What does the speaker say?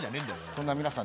そんな皆さん